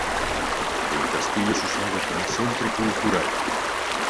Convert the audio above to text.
El Castillo es usado como centro cultural.